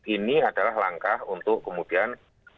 ini adalah langkah untuk kemudian